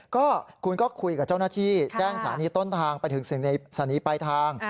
ก็คุณก็คุยกับเจ้าหน้าที่แจ้งสถานีต้นทางไปถึงสถานีปลายทาง